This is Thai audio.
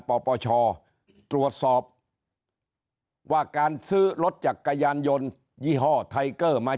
ปปชตรวจสอบว่าการซื้อรถจักรยานยนต์ยี่ห้อไทเกอร์มา